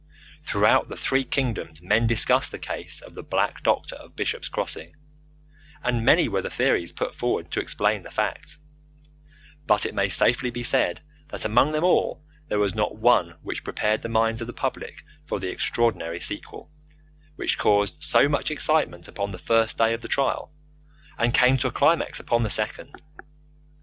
Throughout the three kingdoms men discussed the case of the Black Doctor of Bishop's Crossing, and many were the theories put forward to explain the facts; but it may safely be said that among them all there was not one which prepared the minds of the public for the extraordinary sequel, which caused so much excitement upon the first day of the trial, and came to a climax upon the second.